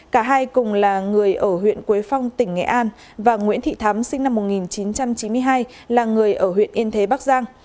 cả hai cùng là người ở huyện quế phong tỉnh nghệ an và nguyễn thị thắm sinh năm một nghìn chín trăm chín mươi hai là người ở huyện yên thế bắc giang